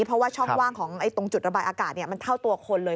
เพราะว่าช่องว่างของตรงจุดระบายอากาศมันเท่าตัวคนเลย